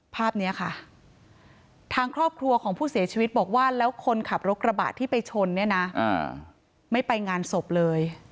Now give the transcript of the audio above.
ภาพนี้ค่ะทางครอบครัวของผู้เสียชีวิตบอกว่าแล้วคนขับรถกระบะที่ไปชนเนี่ยนะไม่ไปงานศพเลย